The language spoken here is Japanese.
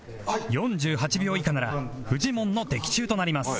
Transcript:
４８秒以下ならフジモンの的中となります